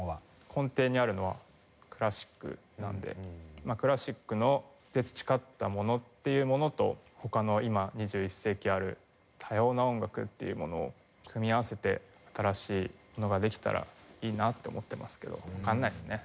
根底にあるのはクラシックなのでクラシックで培ったものっていうものと他の今２１世紀にある多様な音楽っていうものを組み合わせて新しいのができたらいいなって思ってますけどわかんないですね